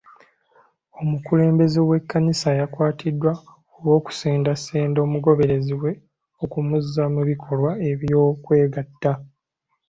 Omukulembeze w'ekkanisa yakwatiddwa olw'okusendasenda omugoberezi we okumuzza mu bikolwa eby'okwegatta.